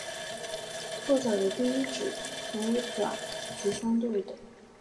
后脚的第一趾没有爪及相对的。